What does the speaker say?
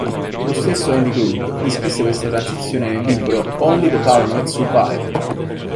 Lo stesso Andy Grove descrisse questa transizione nel libro "Only the Paranoid Survive".